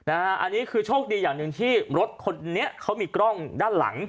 อันนี้คือโชคดีอย่างหนึ่งที่รถคนนี้เขามีกล้องด้านหลัง